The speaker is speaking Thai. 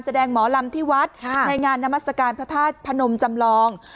แสดงหมอลำที่วัดในงานนามัศกาลพระธาตุพนมจำลอง